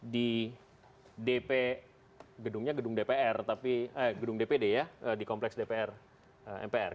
di gedung dpr eh gedung dpd ya di kompleks dpr mpr